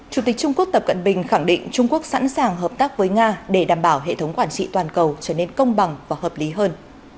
chủ tịch trung quốc tập cận bình khẳng định trung quốc sẵn sàng hợp tác với nga để đảm bảo hệ thống quản trị toàn cầu trở nên công bằng và hợp lý hơn